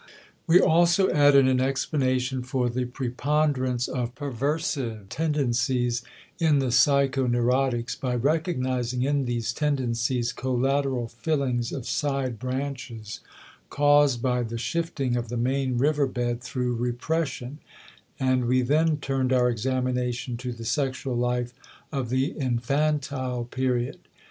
We also added an explanation for the preponderance of perversive tendencies in the psychoneurotics by recognizing in these tendencies collateral fillings of side branches caused by the shifting of the main river bed through repression, and we then turned our examination to the sexual life of the infantile period.